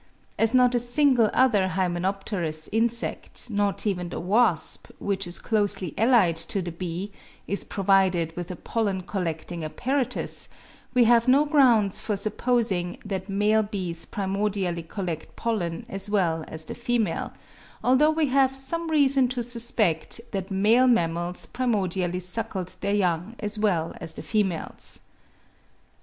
As not a single other Hymenopterous insect, not even the wasp, which is closely allied to the bee, is provided with a pollen collecting apparatus, we have no grounds for supposing that male bees primordially collected pollen as well as the females; although we have some reason to suspect that male mammals primordially suckled their young as well as the females.